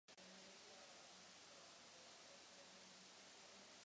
Nachází se v obci Générargues v departementu Gard na jihu Francie.